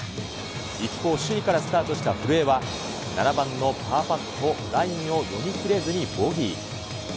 一方、首位からスタートした古江は、７番のパーパットをラインを読み切れずにボギー。